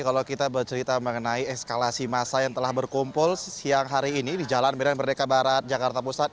kalau kita bercerita mengenai eskalasi masa yang telah berkumpul siang hari ini di jalan medan merdeka barat jakarta pusat